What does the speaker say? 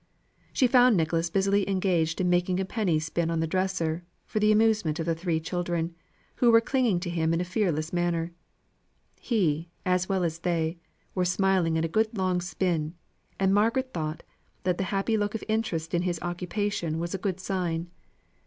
She found Nicholas busily engaged in making a penny spin on the dresser, for the amusement of three little children, who were clinging to him in a fearless manner. He, as well as they, was smiling at a good long spin; and Margaret thought, that the happy look of interest in his occupation was a good sign.